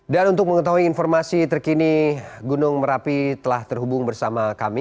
dan untuk mengetahui informasi terkini gunung merapi telah terhubung bersama kami